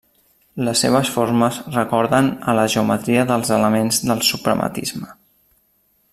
Les seves formes recorden a la geometria dels elements del suprematisme.